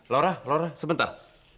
laura laura sebentar